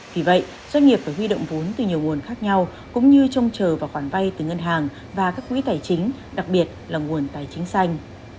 vì vậy doanh nghiệp phải huy động vốn từ nhiều nguồn khác nhau cũng như trông chờ vào khoản vay từ ngân hàng và các quỹ tài chính đặc biệt là nguồn tài chính xanh